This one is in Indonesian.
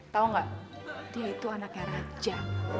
tau ga dia itu anaknya raja